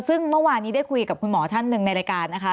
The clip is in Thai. ซึ่งเมื่อวานนี้ได้คุยกับคุณหมอท่านหนึ่งในรายการนะคะ